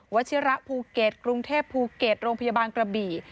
ชิระภูเก็ตกรุงเทพภูเก็ตโรงพยาบาลกระบี่